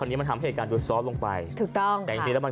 อ่ะมั่นคือว่าเขาพึ่งพร้อมพุทธของนี้มาทำให้มันรวมดูซอสลงไป